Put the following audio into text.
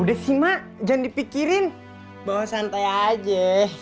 udah sih mak jangan dipikirin bawa santai aja